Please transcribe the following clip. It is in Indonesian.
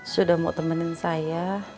sudah mau temenin saya